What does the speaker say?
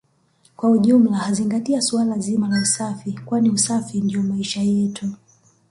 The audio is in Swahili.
Kwa ujumla zingatia suala zima la usafi kwani usafi ndio maisha yetu